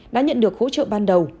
đã nhận được hỗ trợ ban đầu